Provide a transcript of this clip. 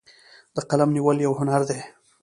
د قلم نیول یو هنر دی.